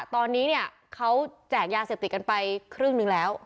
ตอนนี้เนี่ยเขาแจกยาเสพติดกันไปครึ่งหนึ่งแล้ว